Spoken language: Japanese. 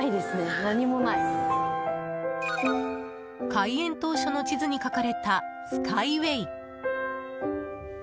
開園当初の地図に書かれたスカイウェイ。